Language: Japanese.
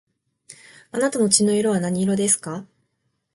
あなたの血の色は何色ですか